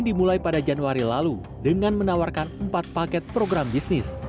dimulai pada januari lalu dengan menawarkan empat paket program bisnis